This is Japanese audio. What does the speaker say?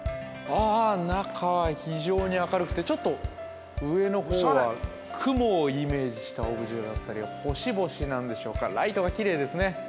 あ中は非常に明るくてちょっと上の方は雲をイメージしたオブジェだったり星々なんでしょうかライトがキレイですね